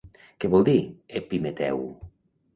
Què vol dir "Epimeteu"?